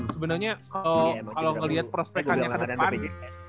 sebenernya kalau ngelihat prospekannya ke depan